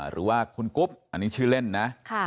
หรือว่าคุณกุ๊บอันนี้ชื่อเล่นนะ